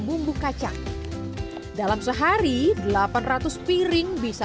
bumbu kacang dalam sehari delapan ratus piring bisa